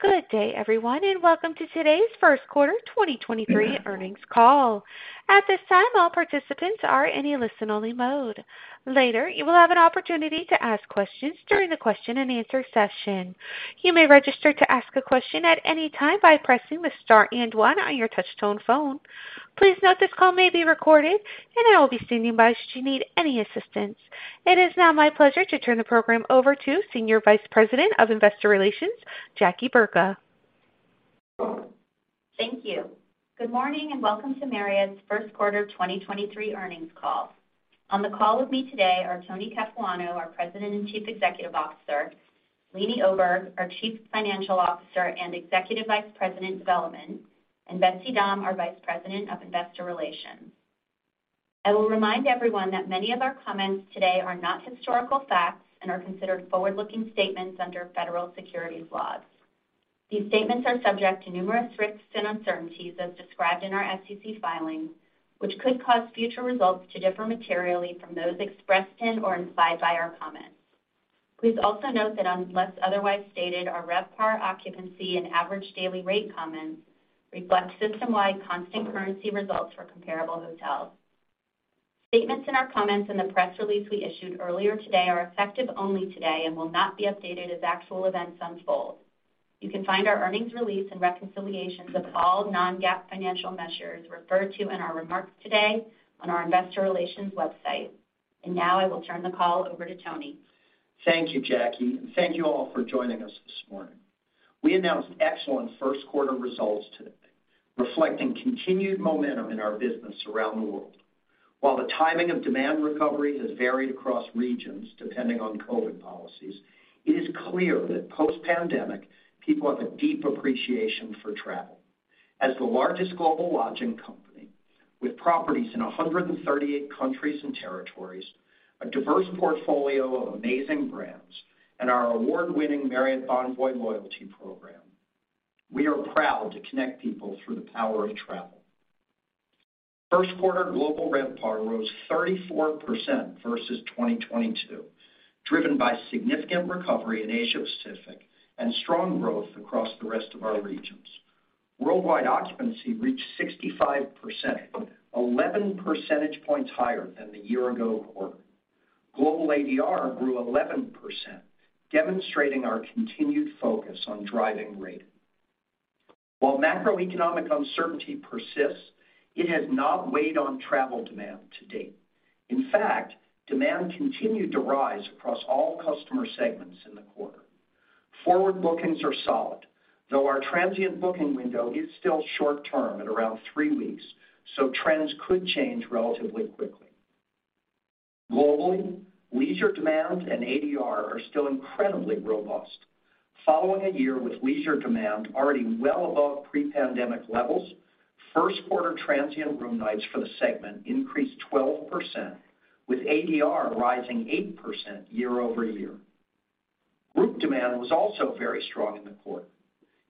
Good day, everyone. Welcome to today's Q1 2023 earnings call. At this time, all participants are in a listen-only mode. Later, you will have an opportunity to ask questions during the question-and-answer session. You may register to ask a question at any time by pressing the star and one on your touchtone phone. Please note this call may be recorded, and I will be standing by should you need any assistance. It is now my pleasure to turn the program over to Senior Vice President of Investor Relations, Jackie Burka. Thank you. Good morning and welcome to Marriott's Q1 2023 earnings call. On the call with me today are Tony Capuano, our President and Chief Executive Officer, Leeny Oberg, our Chief Financial Officer and Executive Vice President, Development, and Betsy Dahm, our Vice President of Investor Relations. I will remind everyone that many of our comments today are not historical facts and are considered forward-looking statements under federal securities laws. These statements are subject to numerous risks and uncertainties, as described in our SEC filings, which could cause future results to differ materially from those expressed in or implied by our comments. Please also note that unless otherwise stated, our RevPAR occupancy and average daily rate comments reflect system-wide constant currency results for comparable hotels. Statements in our comments in the press release we issued earlier today are effective only today and will not be updated as actual events unfold. You can find our earnings release and reconciliations of all non-GAAP financial measures referred to in our remarks today on our investor relations website. Now I will turn the call over to Tony. Thank you, Jackie, and thank you all for joining us this morning. We announced excellent Q1 results today, reflecting continued momentum in our business around the world. While the timing of demand recovery has varied across regions, depending on COVID policies, it is clear that post-pandemic, people have a deep appreciation for travel. As the largest global lodging company with properties in 138 countries and territories, a diverse portfolio of amazing brands, and our award-winning Marriott Bonvoy loyalty program, we are proud to connect people through the power of travel. Q1 global RevPAR rose 34% versus 2022, driven by significant recovery in Asia Pacific and strong growth across the rest of our regions. Worldwide occupancy reached 65%, 11 percentage points higher than the year ago quarter. Global ADR grew 11%, demonstrating our continued focus on driving rate. While macroeconomic uncertainty persists, it has not weighed on travel demand to date. In fact, demand continued to rise across all customer segments in the quarter. Forward bookings are solid, though our transient booking window is still short term at around three weeks, so trends could change relatively quickly. Globally, leisure demand and ADR are still incredibly robust. Following a year with leisure demand already well above pre-pandemic levels, Q1 transient room nights for the segment increased 12%, with ADR rising 8% year-over-year. Group demand was also very strong in the quarter.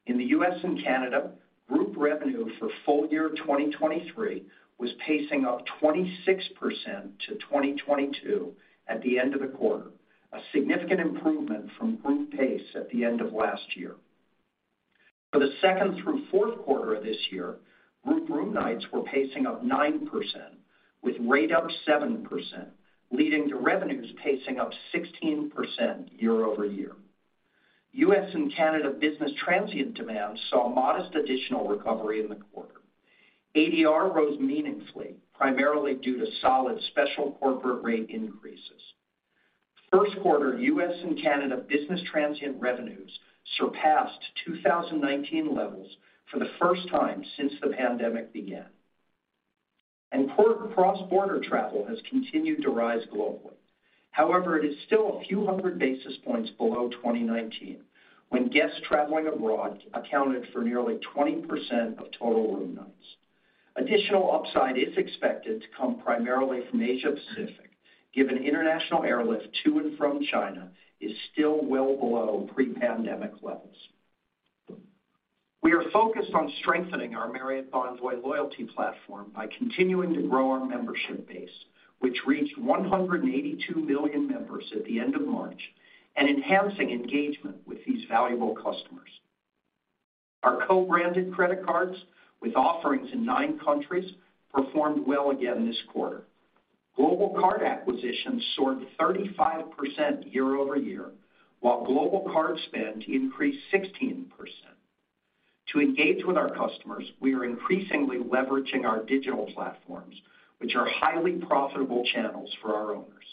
In the U.S. and Canada, group revenue for full year 2023 was pacing up 26% to 2022 at the end of the quarter, a significant improvement from group pace at the end of last year. For the second through Q4 of this year, group room nights were pacing up 9% with rate up 7%, leading to revenues pacing up 16% year-over-year. U.S. and Canada business transient demand saw modest additional recovery in the quarter. ADR rose meaningfully, primarily due to solid special corporate rate increases. Q1 U.S. and Canada business transient revenues surpassed 2019 levels for the first time since the pandemic began. Cross-border travel has continued to rise globally. However, it is still a few hundred basis points below 2019 when guests traveling abroad accounted for nearly 20% of total room nights. Additional upside is expected to come primarily from Asia Pacific, given international airlift to and from China is still well below pre-pandemic levels. We are focused on strengthening our Marriott Bonvoy loyalty platform by continuing to grow our membership base, which reached 182 million members at the end of March and enhancing engagement with these valuable customers. Our co-branded credit cards with offerings in nine countries performed well again this quarter. Global card acquisitions soared 35% year-over-year, while global card spend increased 16%. To engage with our customers, we are increasingly leveraging our digital platforms, which are highly profitable channels for our owners.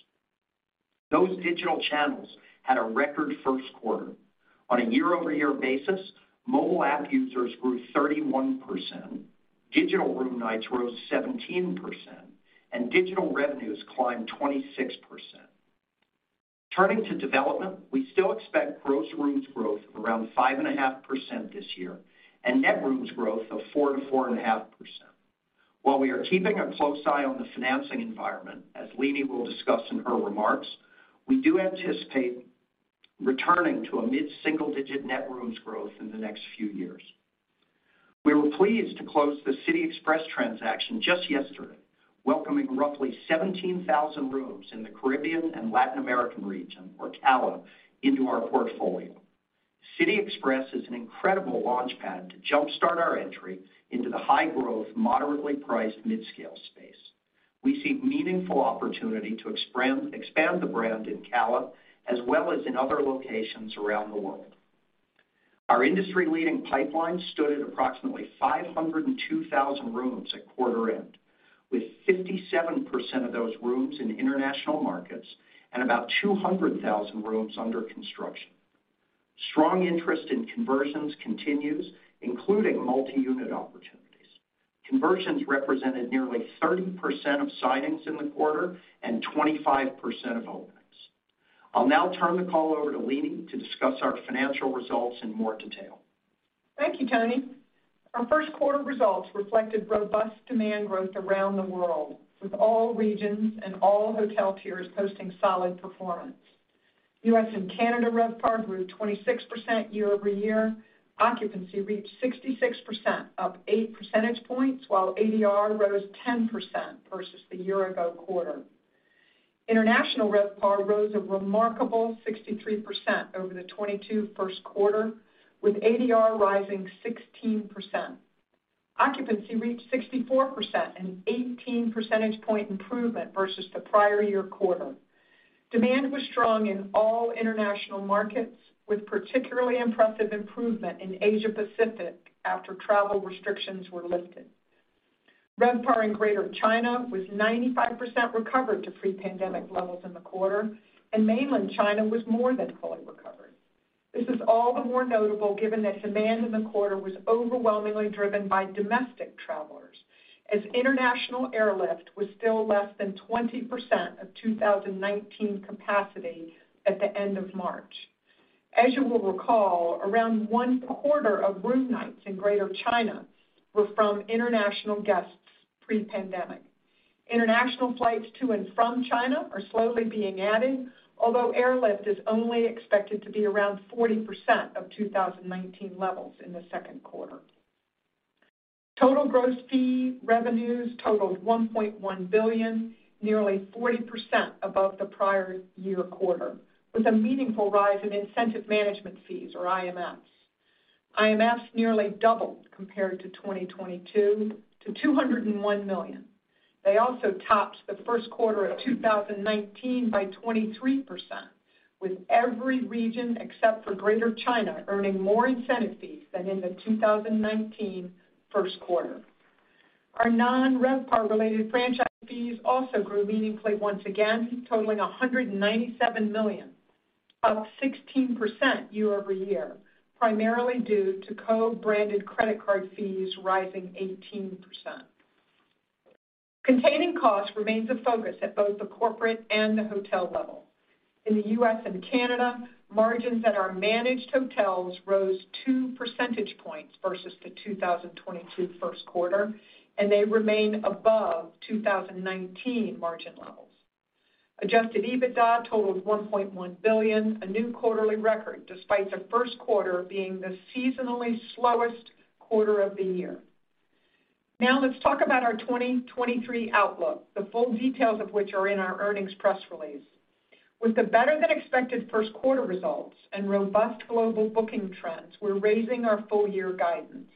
Those digital channels had a record Q1. On a year-over-year basis, mobile app users grew 31%, digital room nights rose 17%, and digital revenues climbed 26%. Turning to development, we still expect gross rooms growth of around 5.5% this year and net rooms growth of 4%-4.5%. While we are keeping a close eye on the financing environment, as Leeny will discuss in her remarks, we do anticipate returning to a mid-single-digit net rooms growth in the next few years. We were pleased to close the City Express transaction just yesterday, welcoming roughly 17,000 rooms in the CALA into our portfolio. City Express is an incredible launchpad to jumpstart our entry into the high growth, moderately priced mid-scale space. We see meaningful opportunity to expand the brand in CALA as well as in other locations around the world. Our industry-leading pipeline stood at approximately 502,000 rooms at quarter end, with 57% of those rooms in international markets and about 200,000 rooms under construction. Strong interest in conversions continues, including multi-unit opportunities. Conversions represented nearly 30% of signings in the quarter and 25% of openings. I'll now turn the call over to Leeny to discuss our financial results in more detail. Thank you, Tony. Our Q1 results reflected robust demand growth around the world, with all regions and all hotel tiers posting solid performance. U.S. and Canada RevPAR grew 26% year-over-year. Occupancy reached 66%, up 8 percentage points, while ADR rose 10% versus the year ago quarter. International RevPAR rose a remarkable 63% over the 2022 Q1, with ADR rising 16%. Occupancy reached 64%, an 18 percentage point improvement versus the prior year quarter. Demand was strong in all international markets, with particularly impressive improvement in Asia-Pacific after travel restrictions were lifted. RevPAR in Greater China was 95% recovered to pre-pandemic levels in the quarter, and Mainland China was more than fully recovered. This is all the more notable given that demand in the quarter was overwhelmingly driven by domestic travelers, as international airlift was still less than 20% of 2019 capacity at the end of March. You will recall, around one quarter of room nights in Greater China were from international guests pre-pandemic. International flights to and from China are slowly being added, although airlift is only expected to be around 40% of 2019 levels in the Q2. Total gross fee revenues totaled $1.1 billion, nearly 40% above the prior year quarter, with a meaningful rise in incentive management fees or IMFs. IMFs nearly doubled compared to 2022 to $201 million. They also topped the Q1 of 2019 by 23%, with every region except for Greater China earning more incentive fees than in the 2019 Q1. Our non-RevPAR related franchise fees also grew meaningfully once again, totaling $197 million, up 16% year-over-year, primarily due to co-branded credit card fees rising 18%. Containing costs remains a focus at both the corporate and the hotel level. In the U.S. and Canada, margins at our managed hotels rose two percentage points versus the 2022 Q1, and they remain above 2019 margin levels. Adjusted EBITDA totaled $1.1 billion, a new quarterly record, despite the Q1 being the seasonally slowest quarter of the year. Let's talk about our 2023 outlook, the full details of which are in our earnings press release. With the better-than-expected Q1 results and robust global booking trends, we're raising our full year guidance.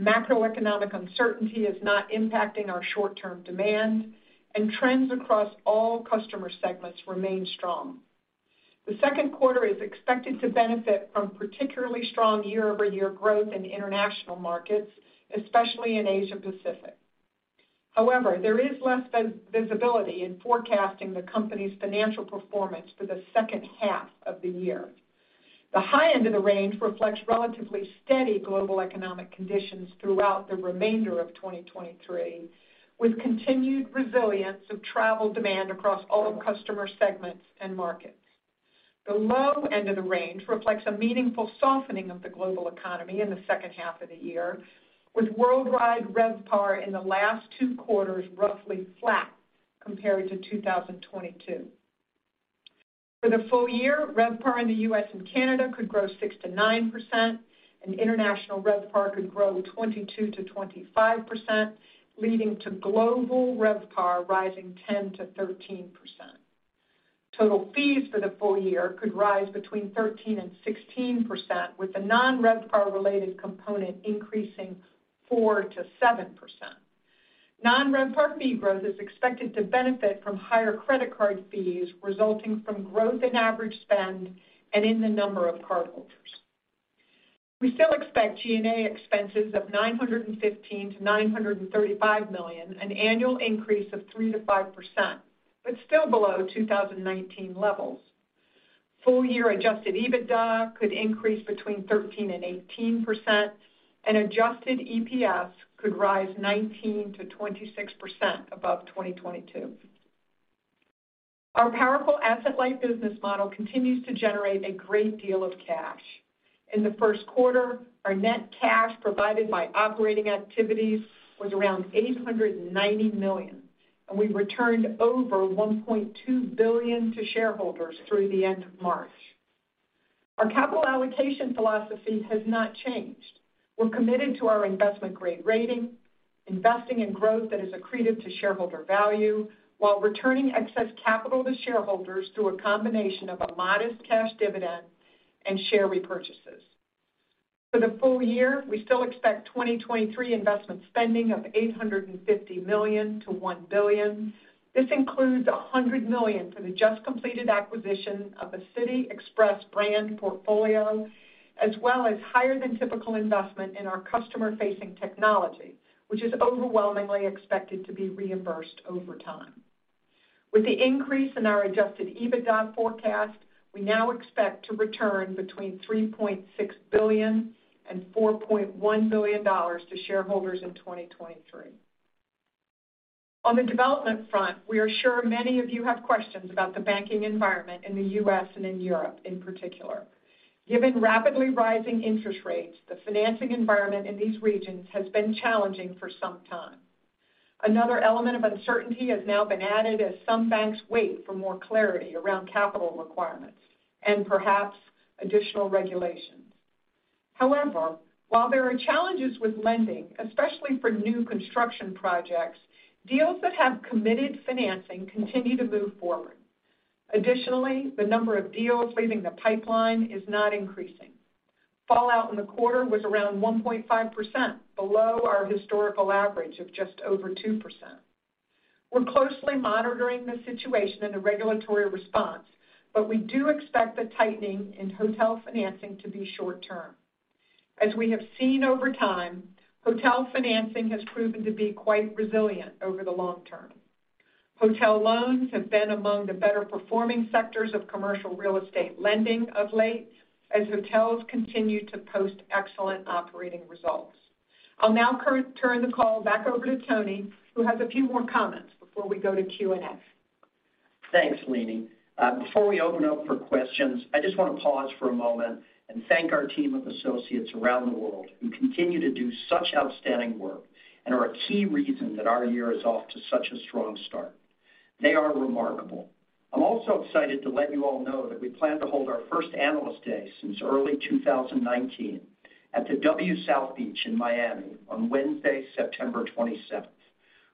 Macroeconomic uncertainty is not impacting our short-term demand, and trends across all customer segments remain strong. The Q2 is expected to benefit from particularly strong year-over-year growth in international markets, especially in Asia-Pacific. However, there is less visibility in forecasting the company's financial performance for the second half of the year. The high end of the range reflects relatively steady global economic conditions throughout the remainder of 2023, with continued resilience of travel demand across all customer segments and markets. The low end of the range reflects a meaningful softening of the global economy in the second half of the year, with worldwide RevPAR in the last two quarters roughly flat compared to 2022. For the full year, RevPAR in the U.S. and Canada could grow 6%-9%, and international RevPAR could grow 22%-25%, leading to global RevPAR rising 10%-13%. Total fees for the full year could rise between 13% and 16%, with the non-RevPAR related component increasing 4%-7%. Non-RevPAR fee growth is expected to benefit from higher credit card fees resulting from growth in average spend and in the number of cardholders. We still expect G&A expenses of $915-$935 million, an annual increase of 3%-5%, but still below 2019 levels. Full year adjusted EBITDA could increase between 13% and 18%, and adjusted EPS could rise 19%-26% above 2022. Our powerful asset-light business model continues to generate a great deal of cash. In the Q1, our net cash provided by operating activities was around $890 million, and we returned over $1.2 billion to shareholders through the end of March. Our capital allocation philosophy has not changed. We're committed to our investment grade rating, investing in growth that is accretive to shareholder value while returning excess capital to shareholders through a combination of a modest cash dividend and share repurchases. For the full year, we still expect 2023 investment spending of $850 million-$1 billion. This includes $100 million for the just completed acquisition of the City Express brand portfolio, as well as higher than typical investment in our customer-facing technology, which is overwhelmingly expected to be reimbursed over time. With the increase in our adjusted EBITDA forecast, we now expect to return between $3.6 billion and $4.1 billion to shareholders in 2023. On the development front, we are sure many of you have questions about the banking environment in the U.S. and in Europe in particular. Given rapidly rising interest rates, the financing environment in these regions has been challenging for some time. Another element of uncertainty has now been added as some banks wait for more clarity around capital requirements and perhaps additional regulations. However, while there are challenges with lending, especially for new construction projects, deals that have committed financing continue to move forward. Additionally, the number of deals leaving the pipeline is not increasing. Fallout in the quarter was around 1.5%, below our historical average of just over 2%. We're closely monitoring the situation and the regulatory response, but we do expect the tightening in hotel financing to be short term. As we have seen over time, hotel financing has proven to be quite resilient over the long term. Hotel loans have been among the better performing sectors of commercial real estate lending of late as hotels continue to post excellent operating results. I'll now turn the call back over to Tony, who has a few more comments before we go to Q&A. Thanks, Leeny. Before we open up for questions, I just want to pause for a moment and thank our team of associates around the world who continue to do such outstanding work and are a key reason that our year is off to such a strong start. They are remarkable. I'm also excited to let you all know that we plan to hold our first Analyst Day since early 2019 at the W South Beach in Miami on Wednesday, September 27th.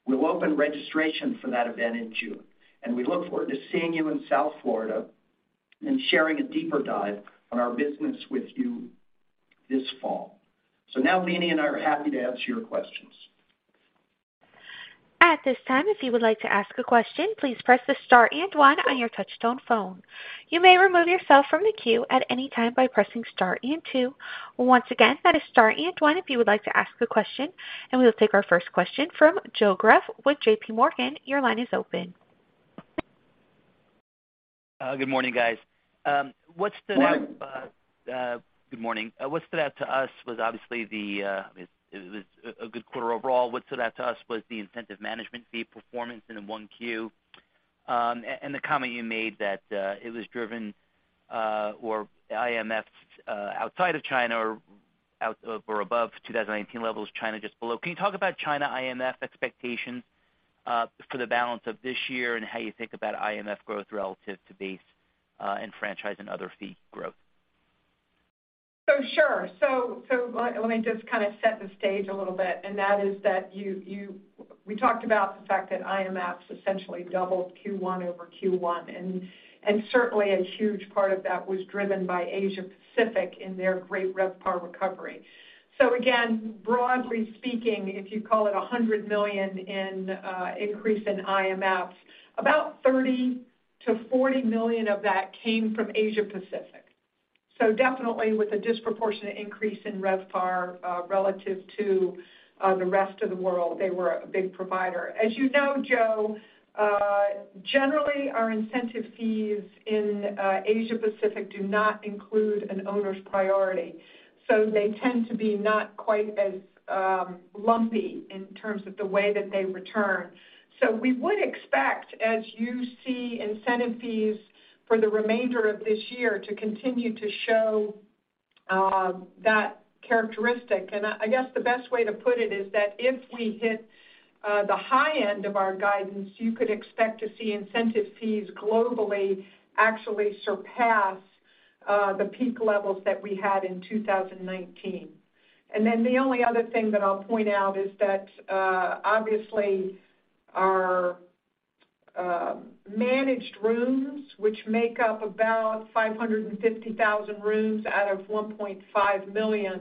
We'll open registration for that event in June, we look forward to seeing you in South Florida and sharing a deeper dive on our business with you this fall. Now Leeny and I are happy to answer your questions. At this time, if you would like to ask a question, please press the star and one on your touch tone phone. You may remove yourself from the queue at any time by pressing star and two. Once again, that is star and oneif you would like to ask a question. We will take our first question from Joe Greff with J.P. Morgan. Your line is open. Good morning, guys. Good morning. Good morning. What stood out to us was obviously the, I mean, it was a good quarter overall. What stood out to us was the incentive management fee performance in 1Q, and the comment you made that it was driven or IMFs outside of China are out or above 2019 levels, China just below. Can you talk about China IMF expectations for the balance of this year and how you think about IMF growth relative to base and franchise and other fee growth? Sure. Let me just kind of set the stage a little bit, and that is that we talked about the fact that IMFs essentially doubled Q1 over Q1, and certainly a huge part of that was driven by Asia Pacific in their great RevPAR recovery. Again, broadly speaking, if you call it $100 million in increase in IMFs, about $30 million-$40 million of that came from Asia Pacific. Definitely with a disproportionate increase in RevPAR, relative to the rest of the world, they were a big provider. As you know, Joe, generally our incentive fees in Asia Pacific do not include an owner's priority, so they tend to be not quite as lumpy in terms of the way that they return. We would expect, as you see incentive fees for the remainder of this year to continue to show that characteristic. I guess the best way to put it is that if we hit the high end of our guidance, you could expect to see incentive fees globally actually surpass the peak levels that we had in 2019. The only other thing that I'll point out is that obviously our managed rooms, which make up about 550,000 rooms out of 1.5 million,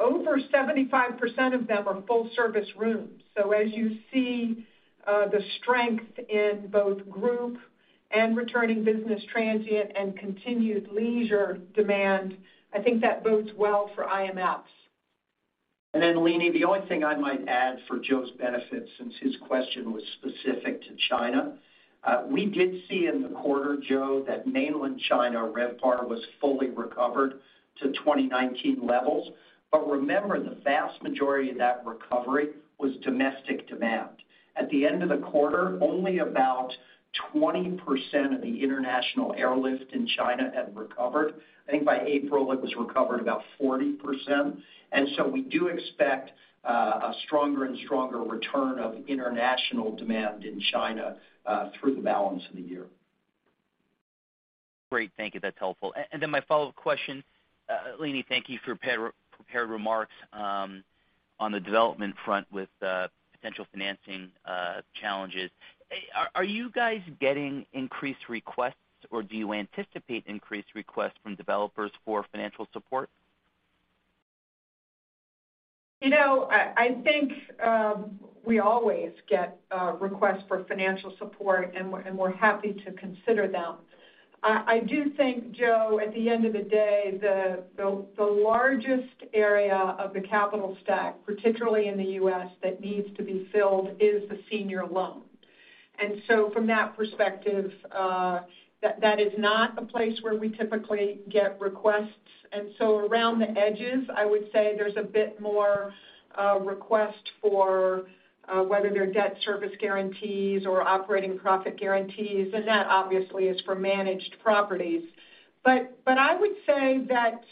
over 75% of them are full service rooms. As you see the strength in both group and returning business transient and continued leisure demand, I think that bodes well for IMFs. Leeny, the only thing I might add for Joe's benefit since his question was specific to China, we did see in the quarter, Joe, that Mainland China RevPAR was fully recovered to 2019 levels. Remember, the vast majority of that recovery was domestic demand. At the end of the quarter, only about 20% of the international airlift in China had recovered. I think by April, it was recovered about 40%. We do expect a stronger and stronger return of international demand in China through the balance of the year. Great. Thank you. That's helpful. Then my follow-up question. Leeny, thank you for prepared remarks on the development front with potential financing challenges. Are you guys getting increased requests, or do you anticipate increased requests from developers for financial support? You know, I think, we always get requests for financial support, and we're happy to consider them. I do think, Joe, at the end of the day, the, the largest area of the capital stack, particularly in the US, that needs to be filled is the senior loan. From that perspective, that is not a place where we typically get requests. Around the edges, I would say there's a bit more request for whether they're debt service guarantees or operating profit guarantees, and that obviously is for managed properties. But I would say that,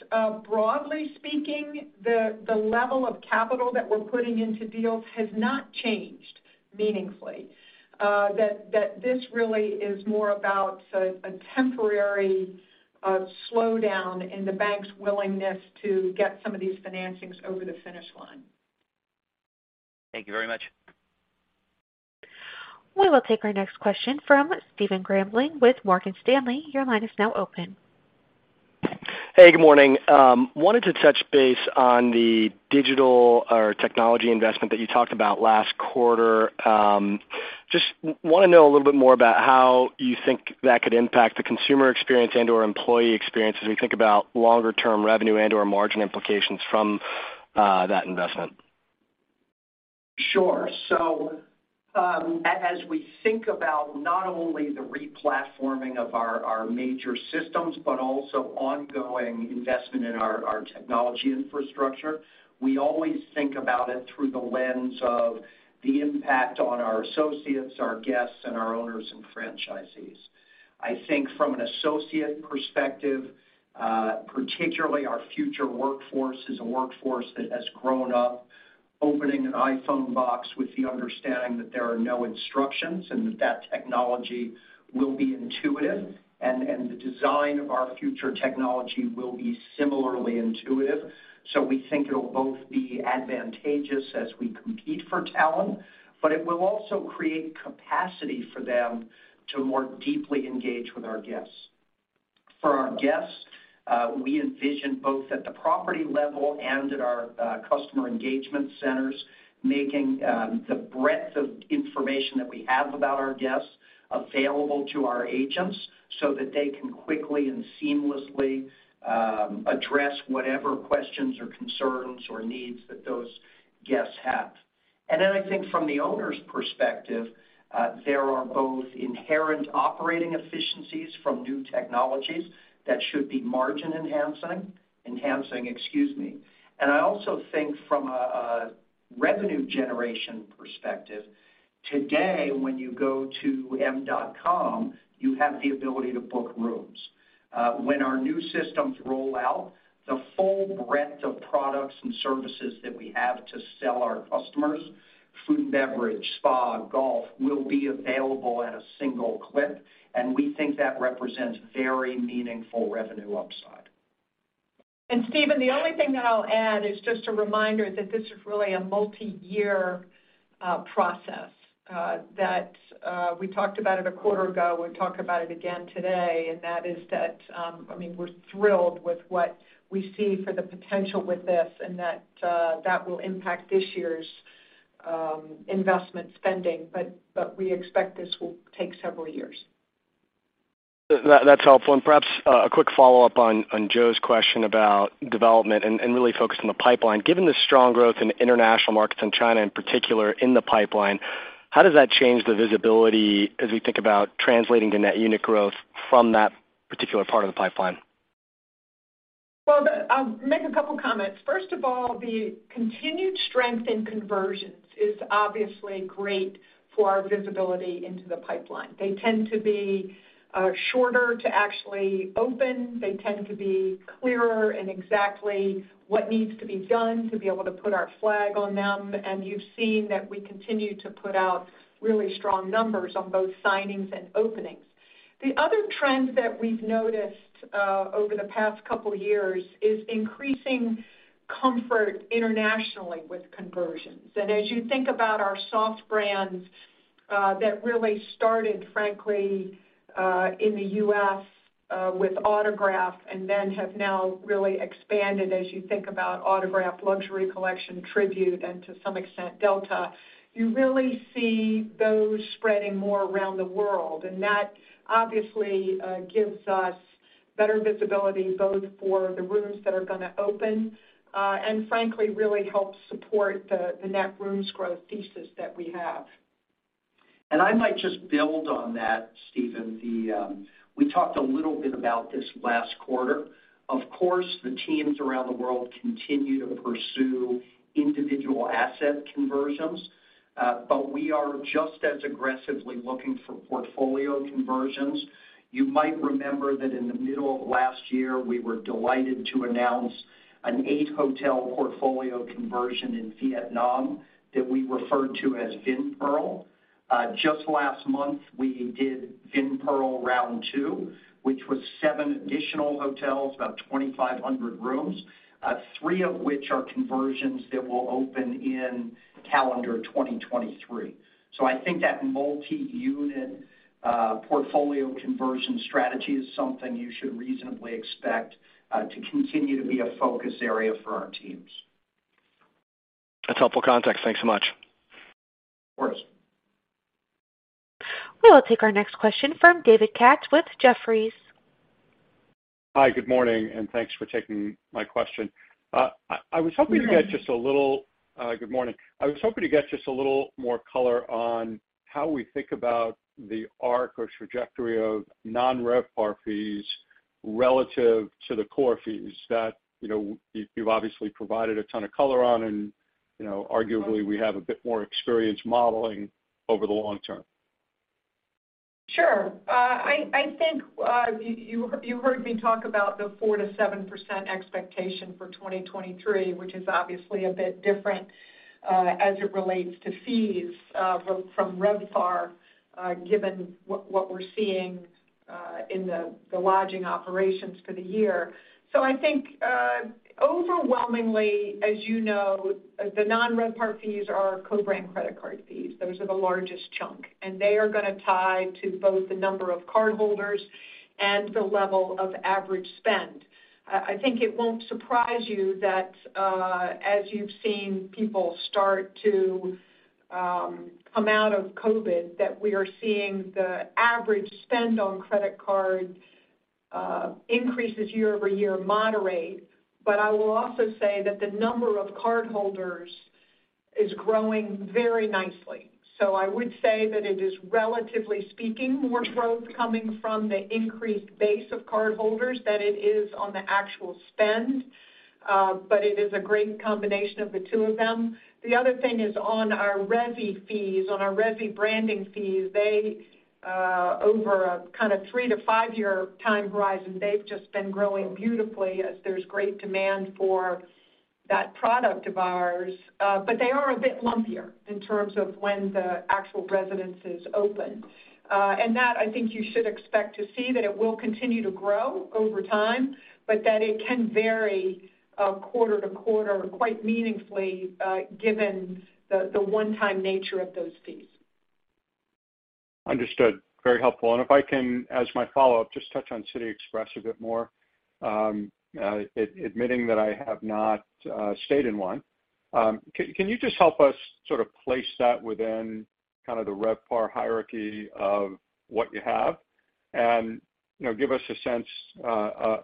broadly speaking, the level of capital that we're putting into deals has not changed meaningfully. That this really is more about a temporary slowdown in the bank's willingness to get some of these financings over the finish line. Thank you very much. We will take our next question from Stephen Grambling with Morgan Stanley. Your line is now open. Good morning. Wanted to touch base on the digital or technology investment that you talked about last quarter. Just wanna know a little bit more about how you think that could impact the consumer experience and/or employee experience as we think about longer term revenue and/or margin implications from that investment? Sure. As we think about not only the replatforming of our major systems, but also ongoing investment in our technology infrastructure, we always think about it through the lens of the impact on our associates, our guests, and our owners and franchisees. I think from an associate perspective, particularly our future workforce is a workforce that has grown up opening an iPhone box with the understanding that there are no instructions, and that that technology will be intuitive, and the design of our future technology will be similarly intuitive. We think it'll both be advantageous as we compete for talent, but it will also create capacity for them to more deeply engage with our guests. For our guests, we envision both at the property level and at our customer engagement centers, making the breadth of information that we have about our guests available to our agents so that they can quickly and seamlessly address whatever questions or concerns or needs that those guests have. Then I think from the owner's perspective, there are both inherent operating efficiencies from new technologies that should be margin enhancing, excuse me. I also think from a revenue generation perspective, today, when you go to marriott.com, you have the ability to book rooms. When our new systems roll out, the full breadth of products and services that we have to sell our customers, food and beverage, spa, golf, will be available at a single click, and we think that represents very meaningful revenue upside. Stephen, the only thing that I'll add is just a reminder that this is really a multiyear process that we talked about it a quarter ago and talked about it again today, and that is that, I mean, we're thrilled with what we see for the potential with this and that will impact this year's investment spending, but we expect this will take several years. That's helpful. Perhaps, a quick follow-up on Joe Greff's question about development and really focused on the pipeline. Given the strong growth in international markets and China in particular in the pipeline, how does that change the visibility as we think about translating the net unit growth from that particular part of the pipeline? Well, I'll make a couple comments. First of all, the continued strength in conversions is obviously great for our visibility into the pipeline. They tend to be shorter to actually open. They tend to be clearer in exactly what needs to be done to be able to put our flag on them, and you've seen that we continue to put out really strong numbers on both signings and openings. The other trend that we've noticed over the past couple years is increasing comfort internationally with conversions. As you think about our soft brands, that really started, frankly, in the U.S., with Autograph and then have now really expanded as you think about Autograph, Luxury Collection, Tribute, and to some extent, Delta, you really see those spreading more around the world. That obviously gives us better visibility both for the rooms that are gonna open, and frankly, really helps support the net rooms growth thesis that we have. I might just build on that, Stephen. The, we talked a little bit about this last quarter. Of course, the teams around the world continue to pursue individual asset conversions, but we are just as aggressively looking for portfolio conversions. You might remember that in the middle of last year, we were delighted to announce an eight-hotel portfolio conversion in Vietnam that we referred to as Vinpearl. Just last month, we did Vinpearl round two, which was seven additional hotels, about 2,500 rooms, three of which are conversions that will open in calendar 2023. I think that multi-unit, portfolio conversion strategy is something you should reasonably expect to continue to be a focus area for our teams. That's helpful context. Thanks so much. Of course. We will take our next question from David Katz with Jefferies. Hi, good morning, and thanks for taking my question. I was hoping to get just a little. Good morning. Good morning. I was hoping to get just a little more color on how we think about the arc or trajectory of non-RevPAR fees relative to the core fees that, you know, you've obviously provided a ton of color on and, you know, arguably we have a bit more experience modeling over the long term. Sure. I think you heard me talk about the 4%-7% expectation for 2023, which is obviously a bit different as it relates to fees from RevPAR, given what we're seeing in the lodging operations for the year. I think overwhelmingly, as you know, the non-RevPAR fees are co-brand credit card fees. Those are the largest chunk, and they are gonna tie to both the number of cardholders and the level of average spend. I think it won't surprise you that, as you've seen people start to come out of COVID, that we are seeing the average spend on credit card increases year-over-year moderate. I will also say that the number of cardholders is growing very nicely. I would say that it is relatively speaking, more growth coming from the increased base of cardholders than it is on the actual spend, but it is a great combination of the two of them. The other thing is on our Resi fees, on our Resi branding fees, they, over a kind of three to five-year time horizon, they've just been growing beautifully as there's great demand for that product of ours. But they are a bit lumpier in terms of when the actual residences open. That, I think you should expect to see that it will continue to grow over time, but that it can vary, quarter to quarter quite meaningfully, given the one-time nature of those fees. Understood. Very helpful. If I can, as my follow-up, just touch on City Express a bit more, admitting that I have not stayed in one. Can you just help us sort of place that within kind of the RevPAR hierarchy of what you have? You know, give us a sense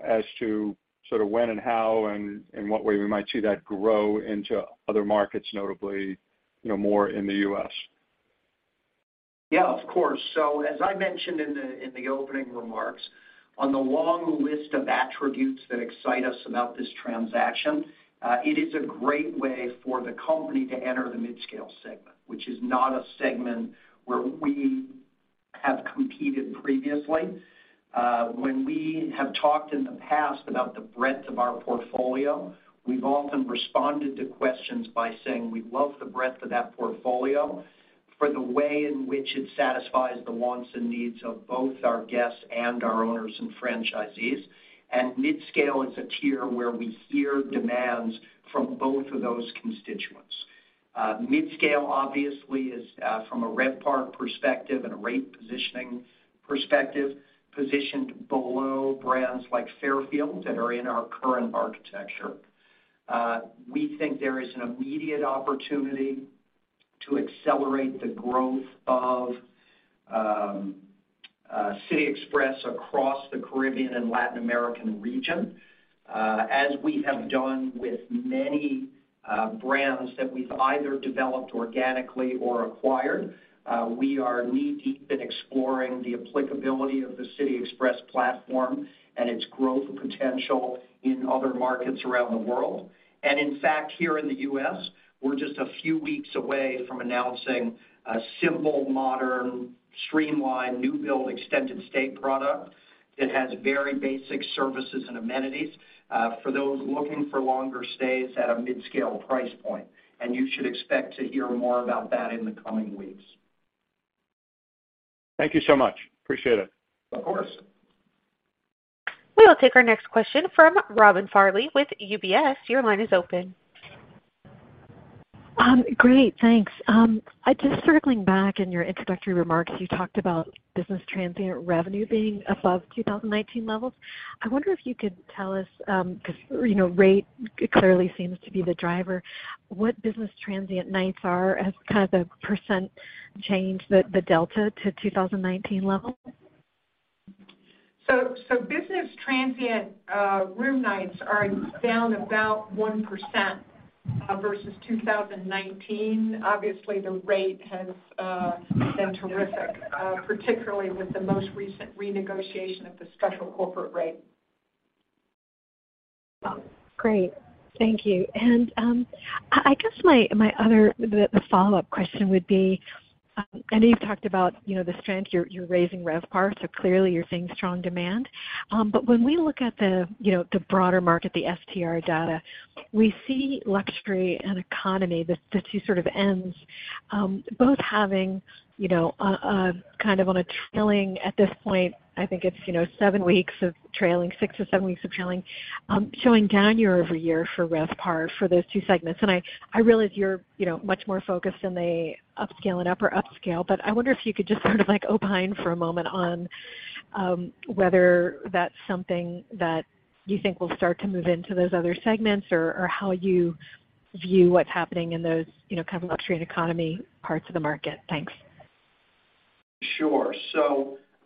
as to sort of when and how and what way we might see that grow into other markets, notably, you know, more in the U.S. Yeah, of course. As I mentioned in the, in the opening remarks, on the long list of attributes that excite us about this transaction, it is a great way for the company to enter the midscale segment, which is not a segment where we have competed previously. When we have talked in the past about the breadth of our portfolio, we've often responded to questions by saying we love the breadth of that portfolio for the way in which it satisfies the wants and needs of both our guests and our owners and franchisees. Midscale is a tier where we hear demands from both of those constituents. Midscale obviously is, from a RevPAR perspective and a rate positioning perspective, positioned below brands like Fairfield that are in our current architecture. We think there is an immediate opportunity to accelerate the growth of City Express across the Caribbean and Latin American region. As we have done with many brands that we've either developed organically or acquired, we are knee-deep in exploring the applicability of the City Express platform and its growth potential in other markets around the world. In fact, here in the U.S., we're just a few weeks away from announcing a simple, modern, streamlined, new build extended stay product that has very basic services and amenities, for those looking for longer stays at a mid-scale price point. You should expect to hear more about that in the coming weeks. Thank you so much. Appreciate it. Of course. We will take our next question from Robin Farley with UBS. Your line is open. Great. Thanks. Just circling back in your introductory remarks, you talked about business transient revenue being above 2019 levels. I wonder if you could tell us, 'cause, you know, rate clearly seems to be the driver, what business transient nights are as kind of a percent change the delta to 2019 level? Business transient room nights are down about 1% versus 2019. Obviously, the rate has been terrific, particularly with the most recent renegotiation of the special corporate rate. Great. Thank you. I guess my other the follow-up question would be, I know you've talked about, you know, the strength, you're raising RevPAR, so clearly, you're seeing strong demand. When we look at the, you know, the broader market, the STR data, we see luxury and economy, the two sort of ends, both having, you know, kind of on a trailing at this point, I think it's, you know, seven weeks of trailing, six or seven weeks of trailing, showing down year-over-year for RevPAR for those two segments. I realize you're, you know, much more focused in the upscale and upper upscale, but I wonder if you could just sort of like opine for a moment on whether that's something that you think will start to move into those other segments or how you view what's happening in those, you know, kind of luxury and economy parts of the market. Thanks. Sure.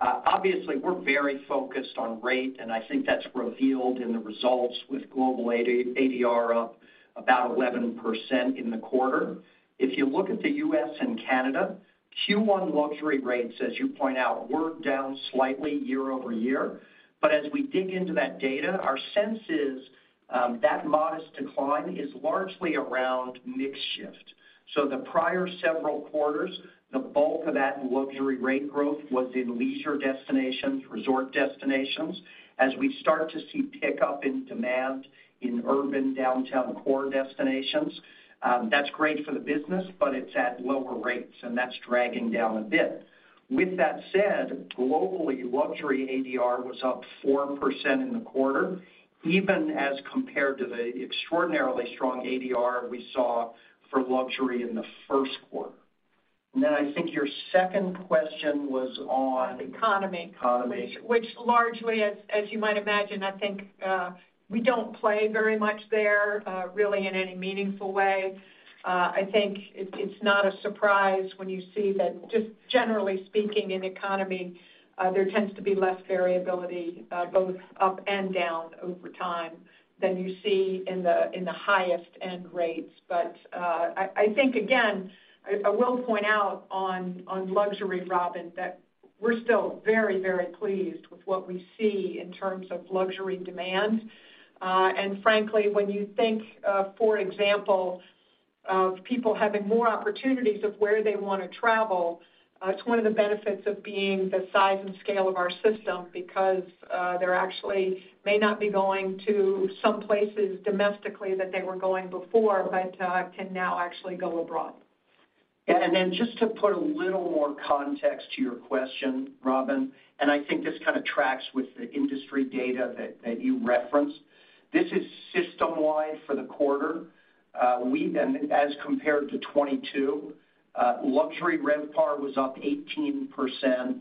Obviously, we're very focused on rate, and I think that's revealed in the results with global ADR up about 11% in the quarter. If you look at the U.S. and Canada, Q1 luxury rates, as you point out, were down slightly year-over-year. As we dig into that data, our sense is that modest decline is largely around mix shift. The prior several quarters, the bulk of that luxury rate growth was in leisure destinations, resort destinations. As we start to see pickup in demand in urban downtown core destinations, that's great for the business, but it's at lower rates, and that's dragging down a bit. That said, globally, luxury ADR was up 4% in the quarter, even as compared to the extraordinarily strong ADR we saw for luxury in the Q1. I think your second question was. On economy. Economy. Largely as you might imagine, I think, we don't play very much there, really in any meaningful way. I think it's not a surprise when you see that just generally speaking in economy, there tends to be less variability, both up and down over time than you see in the highest end rates. I think again, I will point out on luxury, Robin, that we're still very pleased with what we see in terms of luxury demand. Frankly, when you think, for example, of people having more opportunities of where they wanna travel, it's one of the benefits of being the size and scale of our system because, they're actually may not be going to some places domestically that they were going before, but can now actually go abroad. Yeah. Just to put a little more context to your question, Robin, I think this kind of tracks with the industry data that you referenced. This is system-wide for the quarter. We then as compared to 2022, luxury RevPAR was up 18%,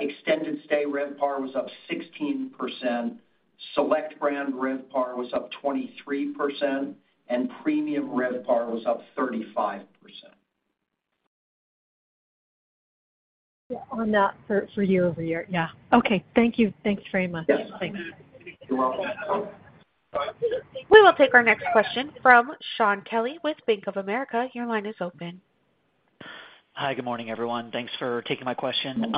extended stay RevPAR was up 16%, select brand RevPAR was up 23%, and premium RevPAR was up 35%. On that for year-over-year. Yeah. Okay. Thank you. Thanks very much. Yes. Thanks. You're welcome. We will take our next question from Shaun Kelley with Bank of America. Your line is open. Hi, good morning, everyone. Thanks for taking my question.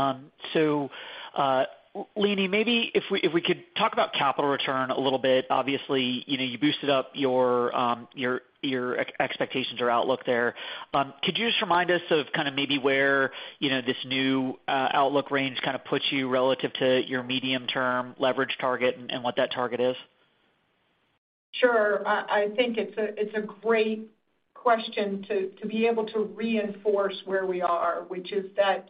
Leenie, maybe if we could talk about capital return a little bit. Obviously, you know, you boosted up your expectations or outlook there. Could you just remind us of kind of maybe where, you know, this new outlook range kind of puts you relative to your medium-term leverage target and what that target is? Sure. I think it's a, it's a great question to be able to reinforce where we are, which is that,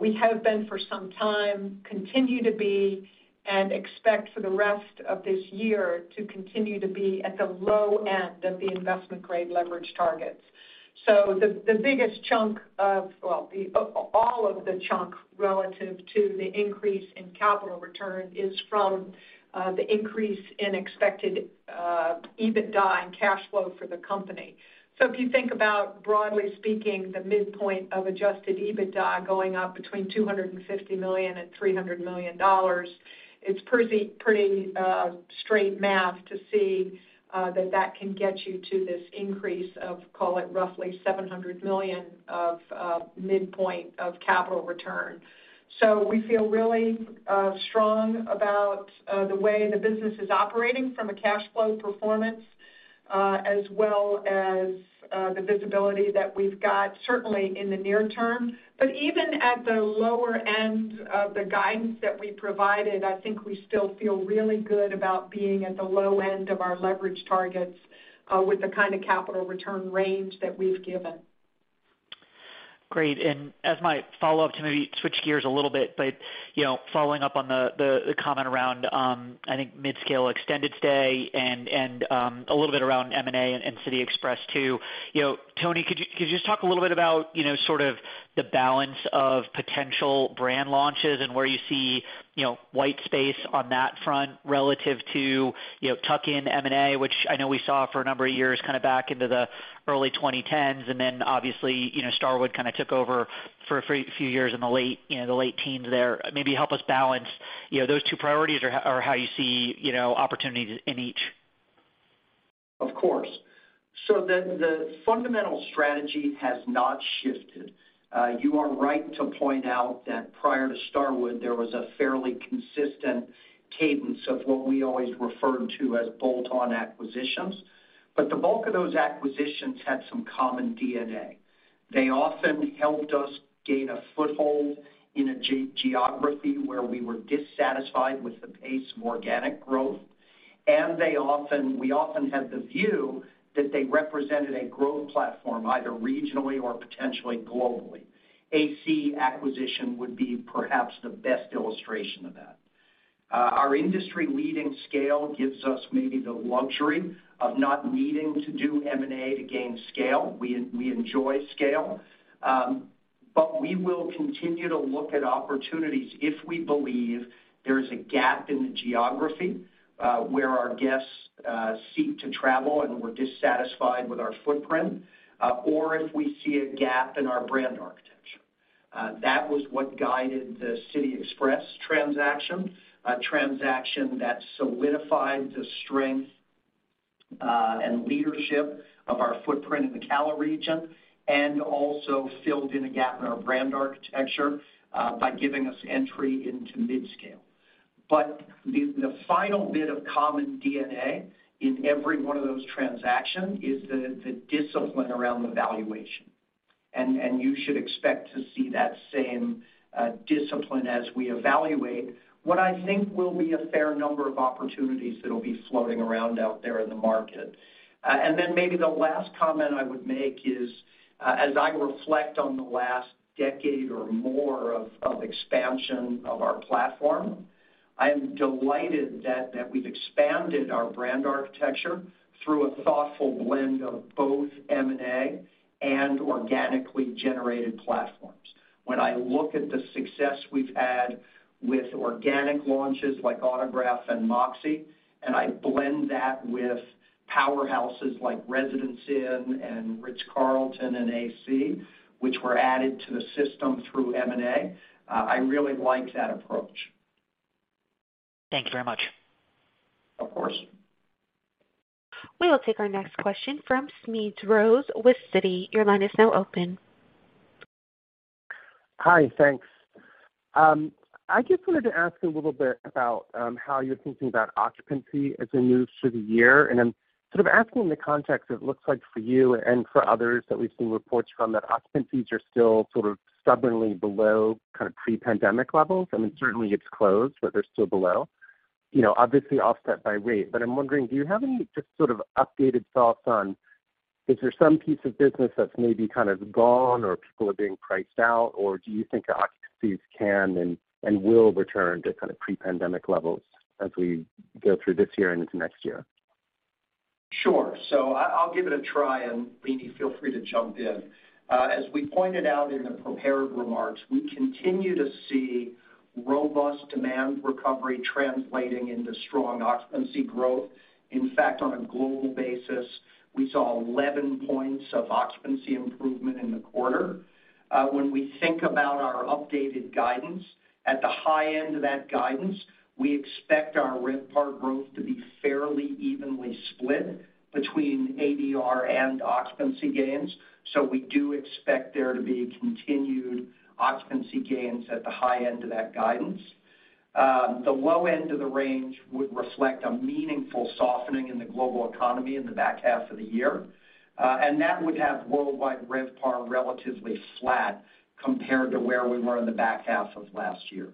we have been for some time, continue to be, and expect for the rest of this year to continue to be at the low end of the investment grade leverage targets. All of the chunk relative to the increase in capital return is from, the increase in expected, EBITDA and cash flow for the company. If you think about, broadly speaking, the midpoint of adjusted EBITDA going up between $250 million and $300 million, it's pretty, straight math to see, that that can get you to this increase of, call it, roughly $700 million of, midpoint of capital return. We feel really strong about the way the business is operating from a cash flow performance, as well as the visibility that we've got certainly in the near term. Even at the lower end of the guidance that we provided, I think we still feel really good about being at the low end of our leverage targets, with the kind of capital return range that we've given. Great. As my follow-up to maybe switch gears a little bit, but, you know, following up on the comment around, I think mid-scale extended stay and a little bit around M&A and City Express too. You know, Tony, could you just talk a little bit about, you know, sort of the balance of potential brand launches and where you see, you know, white space on that front relative to, you know, tuck-in M&A, which I know we saw for a number of years, kind of back into the early 2010s, and then obviously, you know, Starwood kind of took over for a few years in the late, you know, the late 2010s there. Maybe help us balance, you know, those two priorities or how you see, you know, opportunities in each. Of course. The fundamental strategy has not shifted. You are right to point out that prior to Starwood, there was a fairly consistent cadence of what we always referred to as bolt-on acquisitions. The bulk of those acquisitions had some common DNA. They often helped us gain a foothold in a geography where we were dissatisfied with the pace of organic growth. We often had the view that they represented a growth platform, either regionally or potentially globally. AC acquisition would be perhaps the best illustration of that. Our industry-leading scale gives us maybe the luxury of not needing to do M&A to gain scale. We enjoy scale. We will continue to look at opportunities if we believe there is a gap in the geography where our guests seek to travel, and we're dissatisfied with our footprint, or if we see a gap in our brand architecture. That was what guided the City Express transaction, a transaction that solidified the strength and leadership of our footprint in the CALA region and also filled in a gap in our brand architecture by giving us entry into mid-scale. The final bit of common DNA in every one of those transactions is the discipline around the valuation. And you should expect to see that same discipline as we evaluate what I think will be a fair number of opportunities that'll be floating around out there in the market. Maybe the last comment I would make is, as I reflect on the last decade or more of expansion of our platform, I am delighted that we've expanded our brand architecture through a thoughtful blend of both M&A and organically generated platforms. When I look at the success we've had with organic launches like Autograph and Moxy, and I blend that with powerhouses like Residence Inn and Ritz Carlton and AC, which were added to the system through M&A, I really like that approach. Thank you very much. Of course. We will take our next question from Smedes Rose with Citi. Your line is now open. Hi. Thanks. I just wanted to ask a little bit about how you're thinking about occupancy as we move through the year. I'm sort of asking in the context, it looks like for you and for others that we've seen reports from that occupancies are still sort of stubbornly below kind of pre-pandemic levels. I mean, certainly it's closed, but they're still below. You know, obviously offset by rate. I'm wondering, do you have any just sort of updated thoughts on is there some piece of business that's maybe kind of gone or people are being priced out, or do you think occupancies can and will return to kind of pre-pandemic levels as we go through this year and into next year? I'll give it a try, and Leenie, feel free to jump in. As we pointed out in the prepared remarks, we continue to see robust demand recovery translating into strong occupancy growth. In fact, on a global basis, we saw 11 points of occupancy improvement in the quarter. When we think about our updated guidance, at the high end of that guidance, we expect our RevPAR growth to be fairly evenly split between ADR and occupancy gains. We do expect there to be continued occupancy gains at the high end of that guidance. The low end of the range would reflect a meaningful softening in the global economy in the back half of the year, and that would have worldwide RevPAR relatively flat compared to where we were in the back half of last year.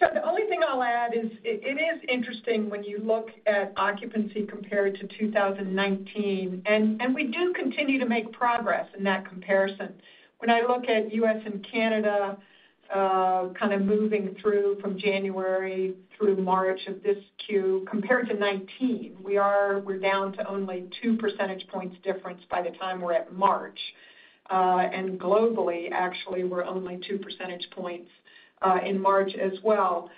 The only thing I'll add is it is interesting when you look at occupancy compared to 2019, and we do continue to make progress in that comparison. When I look at U.S. and Canada, kind of moving through from January through March of this Q, compared to 2019, we're down to only two percentage points difference by the time we're in March. Globally, actually, we're only two percentage points in March as well.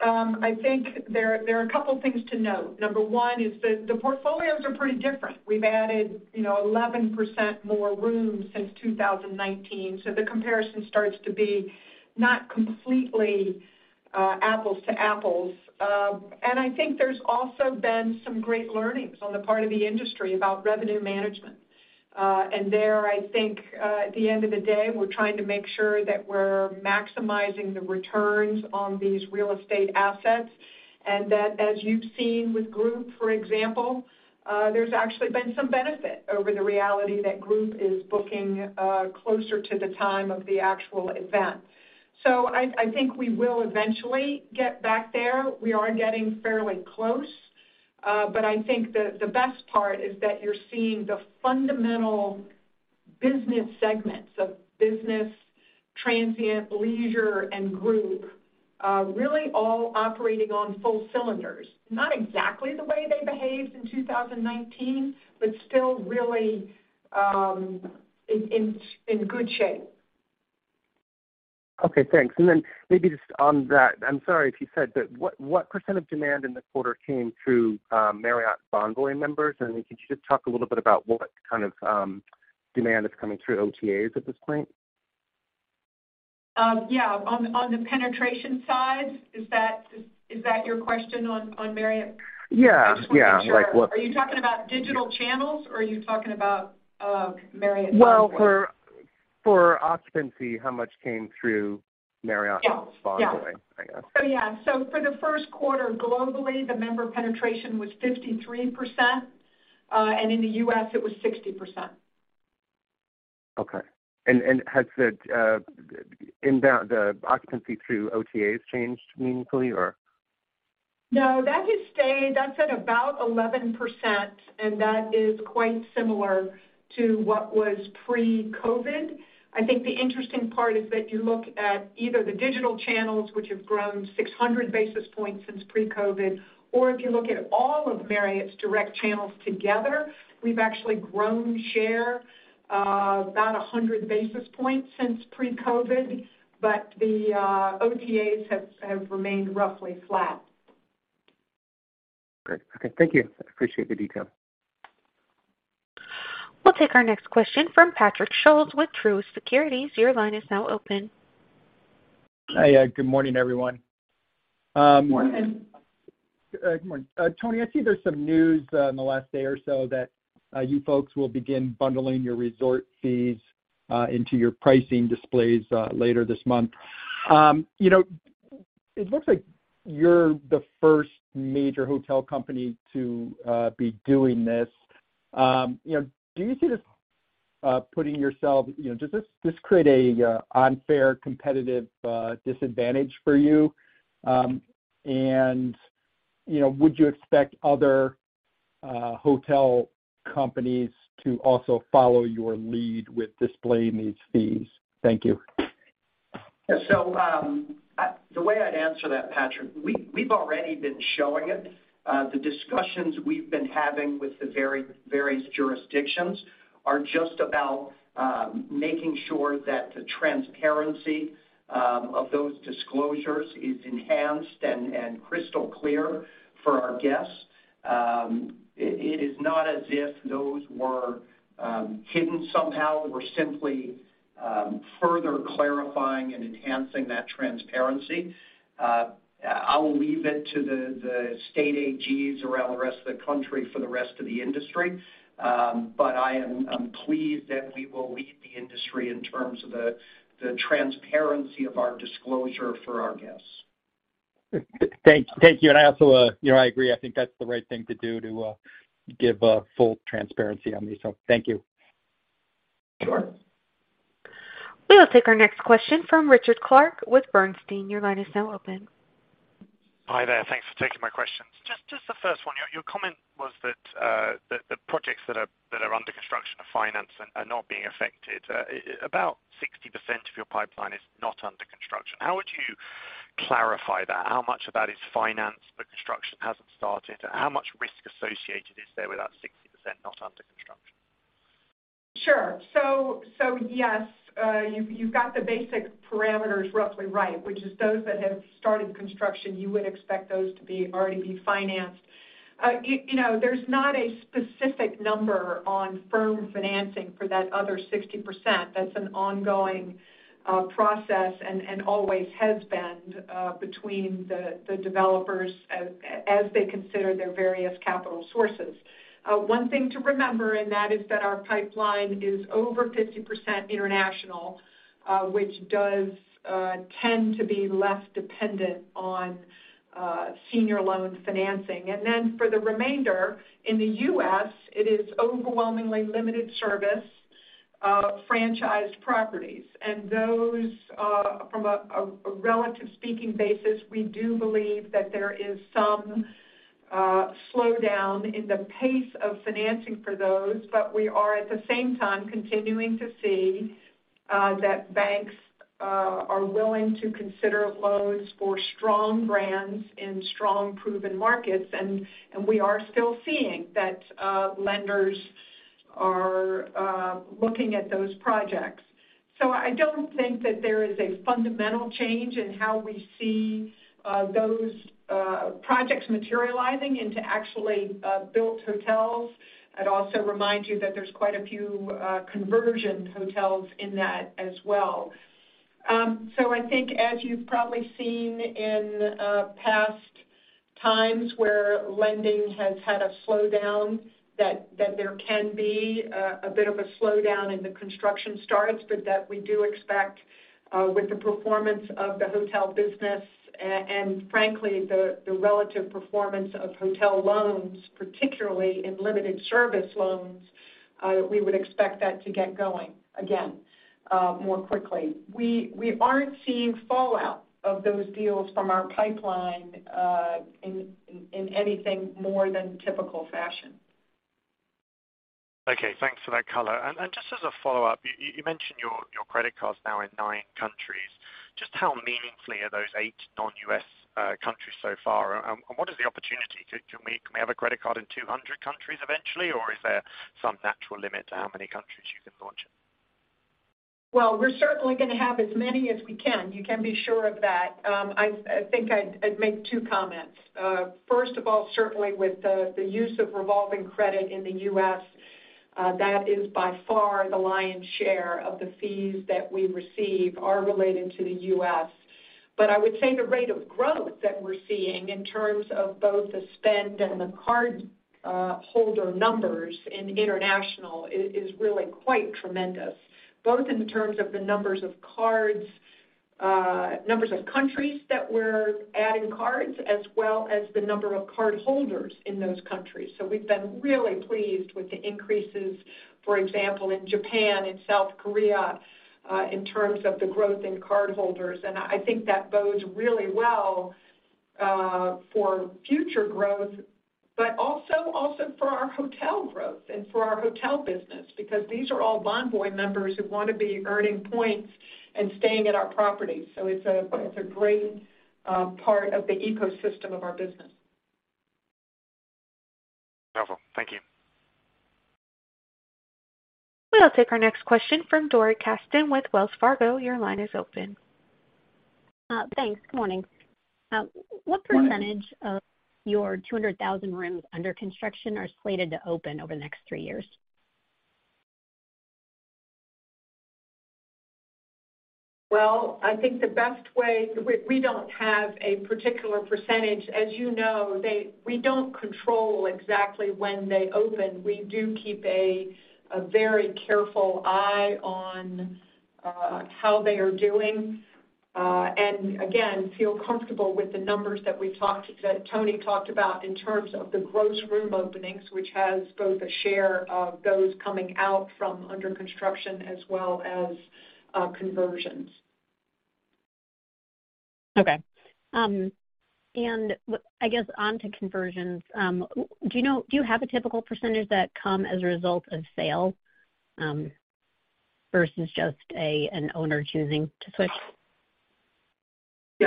I think there are a couple things to note. Number one is the portfolios are pretty different. We've added, you know, 11% more rooms since 2019, so the comparison starts to be not completely apples to apples. I think there's also been some great learnings on the part of the industry about revenue management. There, I think, at the end of the day, we're trying to make sure that we're maximizing the returns on these real estate assets. That as you've seen with group, for example, there's actually been some benefit over the reality that group is booking, closer to the time of the actual event. I think we will eventually get back there. We are getting fairly close. I think the best part is that you're seeing the fundamental business segments of business, transient, leisure, and group, really all operating on full cylinders. Not exactly the way they behaved in 2019, but still really, in good shape. Okay, thanks. maybe just on that, I'm sorry if you said, but what percent of demand in the quarter came through Marriott Bonvoy members? Could you just talk a little bit about what kind of demand is coming through OTAs at this point? Yeah, on the penetration side, is that your question on Marriott? Yeah, yeah. I just wanna make sure. Are you talking about digital channels or are you talking about Marriott Bonvoy? Well, for occupancy, how much came through Marriott Bonvoy? Yeah. I guess. Yeah. For the Q1 globally, the member penetration was 53%, and in the U.S. it was 60%. Okay. Has the occupancy through OTAs changed meaningfully or? No, that has stayed. That's at about 11%, and that is quite similar to what was pre-COVID. I think the interesting part is that you look at either the digital channels, which have grown 600 basis points since pre-COVID, or if you look at all of Marriott's direct channels together, we've actually grown share, about 100 basis points since pre-COVID, but the OTAs have remained roughly flat. Great. Okay. Thank you. I appreciate the detail. We'll take our next question from Patrick Scholes with Truist Securities. Your line is now open. Hi. Good morning, everyone. Morning. Good morning. Tony, I see there's some news in the last day or so that you folks will begin bundling your resort fees into your pricing displays later this month. You know, it looks like you're the first major hotel company to be doing this. You know, do you see this putting yourself, you know, does this create a unfair competitive disadvantage for you? You know, would you expect other hotel companies to also follow your lead with displaying these fees? Thank you. The way I'd answer that, Patrick, we've already been showing it. The discussions we've been having with the various jurisdictions are just about making sure that the transparency of those disclosures is enhanced and crystal clear for our guests. It is not as if those were hidden somehow. We're simply further clarifying and enhancing that transparency. I will leave it to the state AGs around the rest of the country for the rest of the industry. I am, I'm pleased that we will lead the industry in terms of the transparency of our disclosure for our guests. Thank you. I also, you know, I agree. I think that's the right thing to do to give full transparency on these. Thank you. Sure. We will take our next question from Richard Clarke with Bernstein. Your line is now open. Hi there. Thanks for taking my questions. Just the first one. Your comment was that the projects that are under construction of finance are not being affected. About 60% of your pipeline is not under construction. How would you clarify that? How much of that is financed, but construction hasn't started? How much risk associated is there with that 60% not under construction? Sure. Yes, you've got the basic parameters roughly right, which is those that have started construction, you would expect those to be already be financed. You know, there's not a specific number on firm financing for that other 60%. That's an ongoing process and always has been between the developers as they consider their various capital sources. One thing to remember in that is that our pipeline is over 50% international, which does tend to be less dependent on senior loan financing. Then for the remainder in the US, it is overwhelmingly limited service, franchised properties. Those from a relative speaking basis, we do believe that there is some slowdown in the pace of financing for those. We are at the same time continuing to see that banks are willing to consider loans for strong brands in strong proven markets. We are still seeing that lenders are looking at those projects. I don't think that there is a fundamental change in how we see those projects materializing into actually built hotels. I'd also remind you that there's quite a few conversion hotels in that as well. I think as you've probably seen in past times where lending has had a slowdown, that there can be a bit of a slowdown in the construction starts, but that we do expect with the performance of the hotel business, and frankly, the relative performance of hotel loans, particularly in limited service loans, we would expect that to get going again, more quickly. We aren't seeing fallout of those deals from our pipeline, in anything more than typical fashion. Okay, thanks for that color. Just as a follow-up, you mentioned your credit card's now in nine countries. Just how meaningfully are those eight non-U.S. countries so far? What is the opportunity? Can we have a credit card in 200 countries eventually, or is there some natural limit to how many countries you can launch in? Well, we're certainly gonna have as many as we can. You can be sure of that. I think I'd make two comments. First of all, certainly with the use of revolving credit in the U.S. That is by far the lion's share of the fees that we receive are related to the U.S. I would say the rate of growth that we're seeing in terms of both the spend and the card holder numbers in international is really quite tremendous. Both in terms of the numbers of cards, numbers of countries that we're adding cards as well as the number of cardholders in those countries. We've been really pleased with the increases, for example, in Japan and South Korea, in terms of the growth in cardholders. I think that bodes really well for future growth, but also for our hotel growth and for our hotel business because these are all Bonvoy members who wanna be earning points and staying at our properties. It's a great part of the ecosystem of our business. Wonderful. Thank you. We'll take our next question from Dori Kesten with Wells Fargo. Your line is open. Thanks. Good morning. Morning. What % of your 200,000 rooms under construction are slated to open over the next 3 years? We don't have a particular percentage. As you know, We don't control exactly when they open. We do keep a very careful eye on how they are doing, and again, feel comfortable with the numbers that Tony talked about in terms of the gross room openings, which has both a share of those coming out from under construction as well as conversions. Okay. I guess onto conversions, do you have a typical percentage that come as a result of sale, versus just an owner choosing to switch?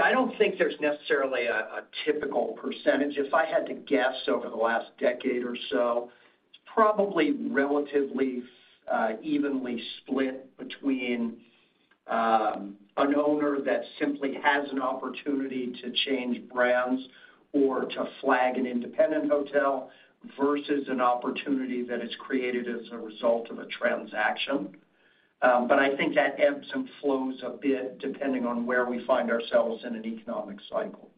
I don't think there's necessarily a typical percentage. If I had to guess over the last decade or so, it's probably relatively evenly split between an owner that simply has an opportunity to change brands or to flag an independent hotel versus an opportunity that is created as a result of a transaction. But I think that ebbs and flows a bit depending on where we find ourselves in an economic cycle.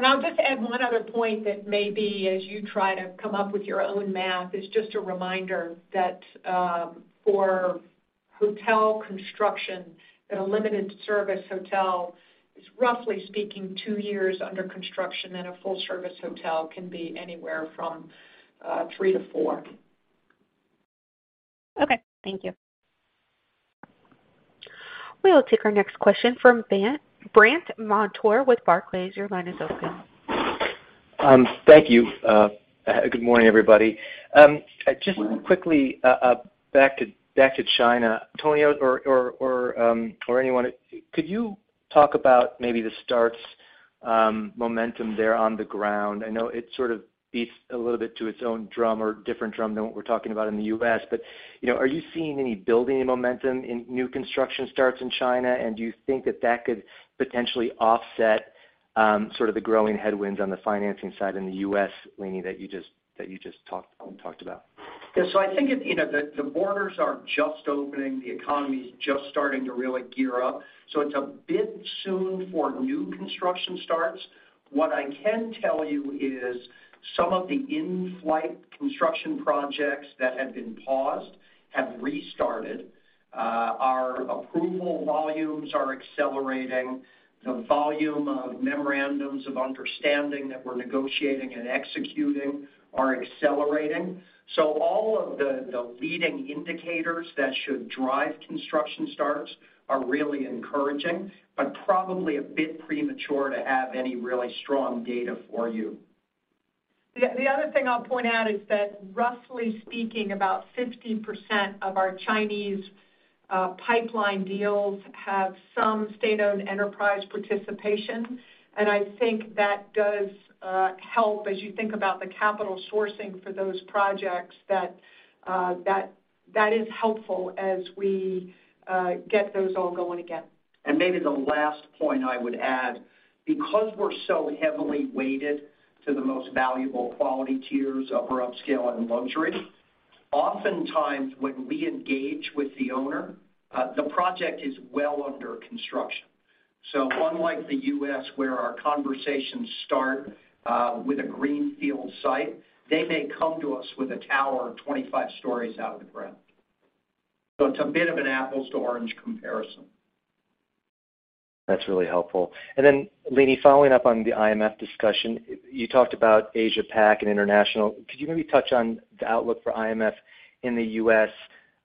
I'll just add one other point that maybe as you try to come up with your own math is just a reminder that, for hotel construction, that a limited-service hotel is roughly speaking two years under construction, and a full-service hotel can be anywhere from three to four Okay. Thank you. We'll take our next question from Brandt Montour with Barclays. Your line is open. Thank you. Good morning, everybody. Just quickly, back to China. Tony or anyone, could you talk about maybe the starts momentum there on the ground? I know it sort of beats a little bit to its own drum or different drum than what we're talking about in the U.S. You know, are you seeing any building momentum in new construction starts in China? Do you think that that could potentially offset sort of the growing headwinds on the financing side in the U.S., Leeny, that you just talked about? Yeah, I think it, you know, the borders are just opening, the economy is just starting to really gear up. It's a bit soon for new construction starts. What I can tell you is some of the in-flight construction projects that had been paused have restarted. Our approval volumes are accelerating. The volume of memorandums of understanding that we're negotiating and executing are accelerating. All of the leading indicators that should drive construction starts are really encouraging, probably a bit premature to have any really strong data for you. The other thing I'll point out is that roughly speaking, about 50% of our Chinese pipeline deals have some state-owned enterprise participation. I think that does help as you think about the capital sourcing for those projects that is helpful as we get those all going again. Maybe the last point I would add, because we're so heavily weighted to the most valuable quality tiers, upper upscale and luxury, oftentimes when we engage with the owner, the project is well under construction. Unlike the U.S., where our conversations start, with a greenfield site, they may come to us with a tower 25 stories out of the ground. It's a bit of an apples to orange comparison. That's really helpful. Leeny, following up on the IMF discussion, you talked about Asia-Pac and international. Could you maybe touch on the outlook for IMF in the U.S.,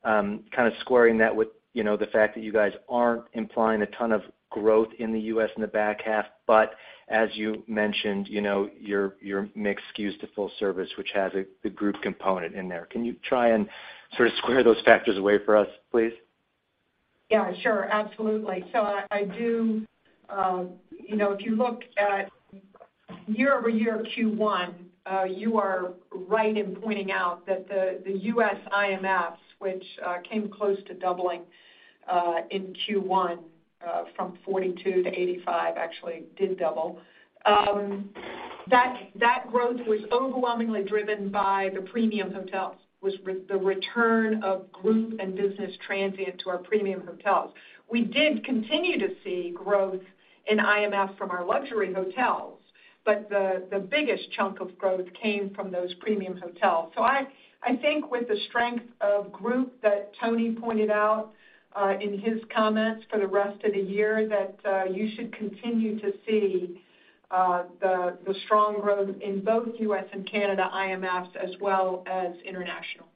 kind of squaring that with, you know, the fact that you guys aren't implying a ton of growth in the U.S. in the back half, but as you mentioned, you know, your mixed SKUs to full service, which has a, the group component in there. Can you try and sort of square those factors away for us, please? Yeah, sure. Absolutely. I do, you know, if you look at Year-over-year Q1, you are right in pointing out that the US IMFs, which came close to doubling in Q1, from $42 to $85 actually did double. That growth was overwhelmingly driven by the premium hotels, with the return of group and business transient to our premium hotels. We did continue to see growth in IMF from our luxury hotels, but the biggest chunk of growth came from those premium hotels. I think with the strength of group that Tony pointed out in his comments for the rest of the year that you should continue to see the strong growth in both US and Canada IMFs as well as international.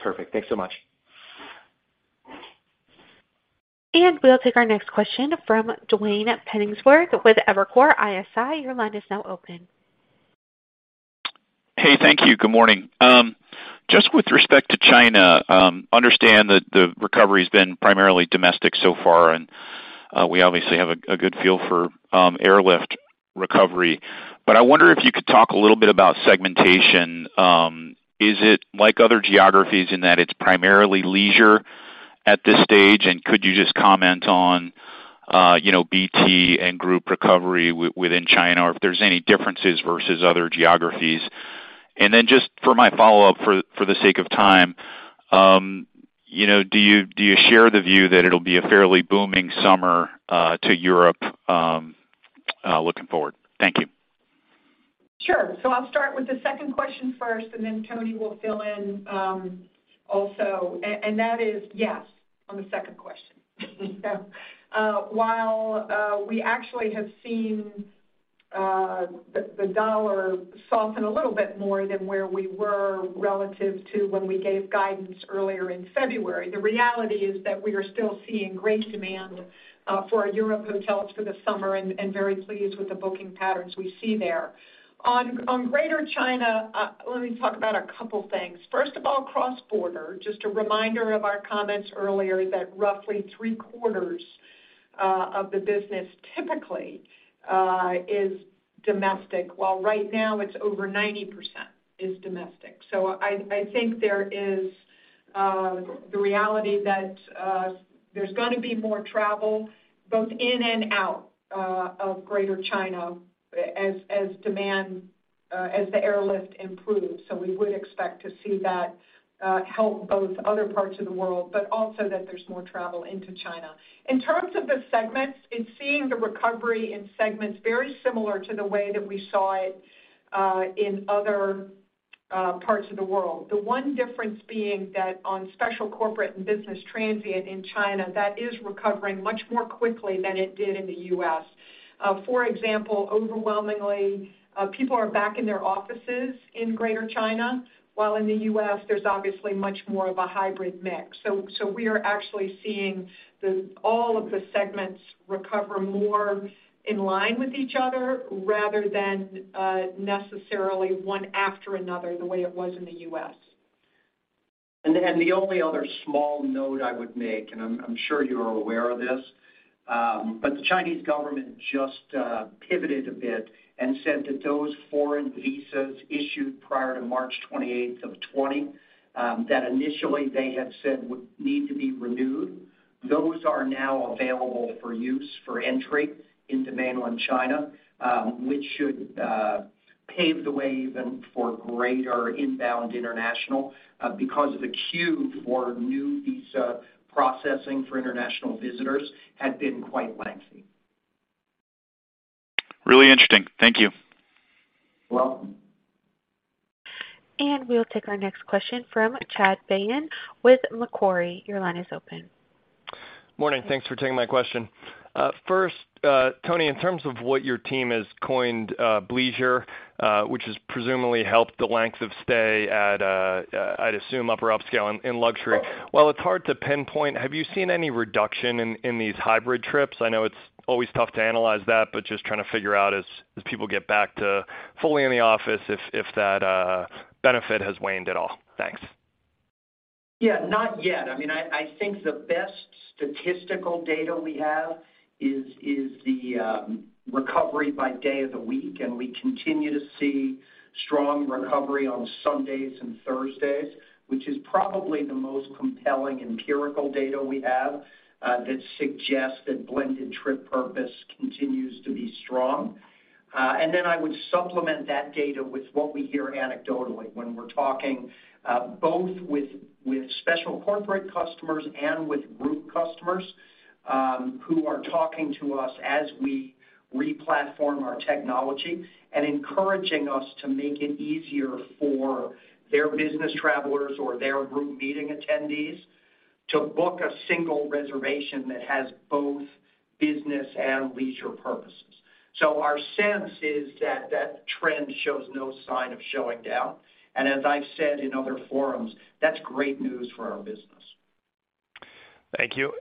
Perfect. Thanks so much. We'll take our next question from Duane Pfennigwerth with Evercore ISI. Your line is now open. Hey, thank you. Good morning. Just with respect to China, understand that the recovery has been primarily domestic so far, and we obviously have a good feel for airlift recovery. I wonder if you could talk a little bit about segmentation. Is it like other geographies in that it's primarily leisure at this stage? Could you just comment on, you know, BT and group recovery within China, or if there's any differences versus other geographies? Just for my follow-up for the sake of time, you know, do you share the view that it'll be a fairly booming summer to Europe looking forward? Thank you. Sure. I'll start with the second question first, and then Tony Capuano will fill in also. That is yes on the second question. While we actually have seen the dollar soften a little bit more than where we were relative to when we gave guidance earlier in February, the reality is that we are still seeing great demand for our Europe hotels for the summer and very pleased with the booking patterns we see there. On Greater China, let me talk about a couple things. First of all, cross-border, just a reminder of our comments earlier is that roughly three-quarters of the business typically is domestic, while right now it's over 90% is domestic. I think there is the reality that there's gonna be more travel both in and out of Greater China as demand as the airlift improves. We would expect to see that help both other parts of the world, but also that there's more travel into China. In terms of the segments, in seeing the recovery in segments very similar to the way that we saw it in other parts of the world. The one difference being that on special corporate and business transient in China, that is recovering much more quickly than it did in the U.S. For example, overwhelmingly, people are back in their offices in Greater China, while in the U.S., there's obviously much more of a hybrid mix. We are actually seeing all of the segments recover more in line with each other rather than necessarily one after another the way it was in the U.S. The only other small note I would make, and I'm sure you're aware of this, the Chinese government just pivoted a bit and said that those foreign visas issued prior to March 28, 2020, that initially they had said would need to be renewed, those are now available for use for entry into Mainland China, which should pave the way even for greater inbound international because the queue for new visa processing for international visitors had been quite lengthy. Really interesting. Thank you. You're welcome. We'll take our next question from Chad Beynon with Macquarie. Your line is open. Morning. Thanks for taking my question. First, Tony, in terms of what your team has coined, bleisure, which has presumably helped the length of stay at, I'd assume upper upscale and luxury. While it's hard to pinpoint, have you seen any reduction in these hybrid trips? I know it's always tough to analyze that, but just trying to figure out as people get back to fully in the office if that benefit has waned at all. Thanks. Yeah, not yet. I mean, I think the best statistical data we have is the recovery by day of the week. We continue to see strong recovery on Sundays and Thursdays, which is probably the most compelling empirical data we have that suggests that blended trip purpose continues to be strong. Then I would supplement that data with what we hear anecdotally when we're talking both with special corporate customers and with group customers who are talking to us as we replatform our technology and encouraging us to make it easier for their business travelers or their group meeting attendees to book a single reservation that has both business and leisure purposes. Our sense is that that trend shows no sign of slowing down. As I've said in other forums, that's great news for our business. Thank you.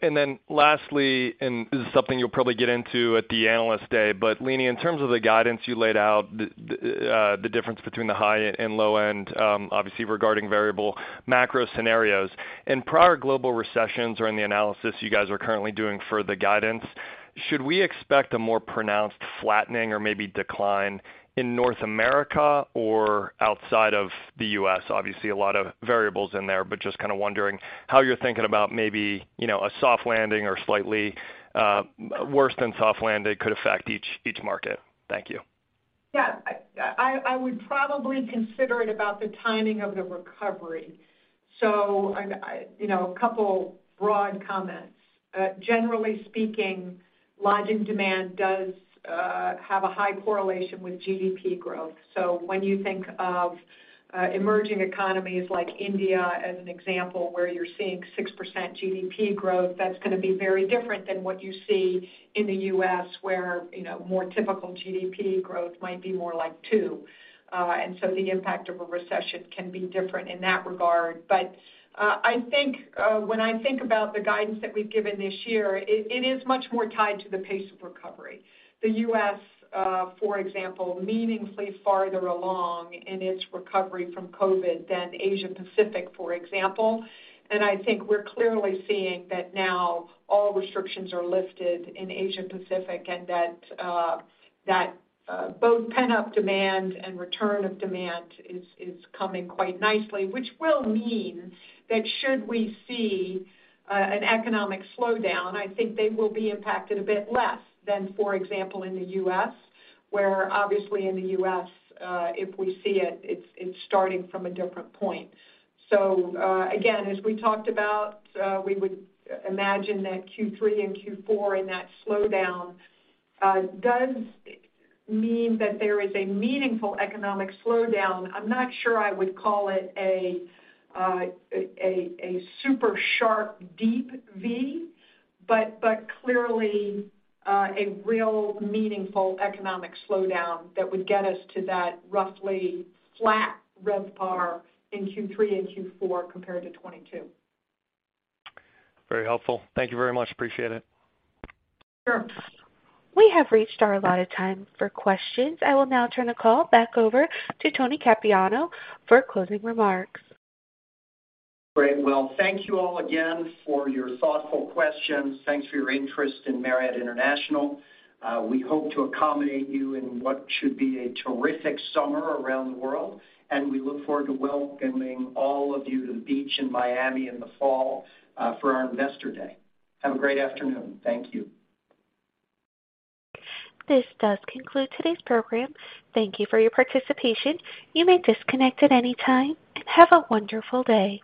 Lastly, this is something you'll probably get into at the Analyst Day, Leeny, in terms of the guidance you laid out, the difference between the high and low end, obviously regarding variable macro scenarios. In prior global recessions or in the analysis you guys are currently doing for the guidance, should we expect a more pronounced flattening or maybe decline in North America or outside of the U.S.? Obviously, a lot of variables in there, just kinda wondering how you're thinking about maybe, you know, a soft landing or slightly worse than soft landing could affect each market. Thank you. I would probably consider it about the timing of the recovery. You know, a couple broad comments. Generally speaking, lodging demand does have a high correlation with GDP growth. When you think of emerging economies like India as an example, where you're seeing 6% GDP growth, that's gonna be very different than what you see in the U.S. where, you know, more typical GDP growth might be more like 2. The impact of a recession can be different in that regard. I think when I think about the guidance that we've given this year, it is much more tied to the pace of recovery. The U.S., for example, meaningfully farther along in its recovery from COVID than Asia-Pacific, for example. I think we're clearly seeing that now all restrictions are lifted in Asia-Pacific and that both pent-up demand and return of demand is coming quite nicely, which will mean that should we see an economic slowdown, I think they will be impacted a bit less than, for example, in the U.S., where obviously in the U.S., if we see it's starting from a different point. Again, as we talked about, we would imagine that Q3 and Q4 and that slowdown does mean that there is a meaningful economic slowdown. I'm not sure I would call it a super sharp deep V, but clearly a real meaningful economic slowdown that would get us to that roughly flat RevPAR in Q3 and Q4 compared to 2022. Very helpful. Thank you very much. Appreciate it. Sure. We have reached our allotted time for questions. I will now turn the call back over to Tony Capuano for closing remarks. Great. Thank you all again for your thoughtful questions. Thanks for your interest in Marriott International. We hope to accommodate you in what should be a terrific summer around the world. We look forward to welcoming all of you to the beach in Miami in the fall, for our Investor Day. Have a great afternoon. Thank you. This does conclude today's program. Thank you for your participation. You may disconnect at any time, and have a wonderful day.